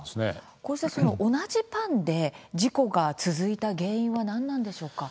こうした同じパンで事故が続いた原因は何なんでしょうか。